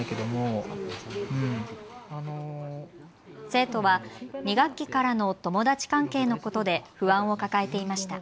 生徒は２学期からの友達関係のことで不安を抱えていました。